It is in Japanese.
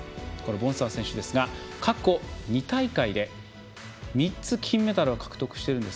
ボンサー選手ですが過去２大会で３つ金メダルを獲得してるんです。